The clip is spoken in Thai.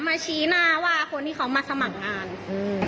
ชี้หน้าว่าคนที่เขามาสมัครงานอืม